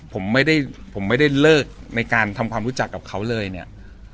ผมไม่ได้ผมไม่ได้เลิกในการทำความรู้จักกับเขาเลยเนี่ย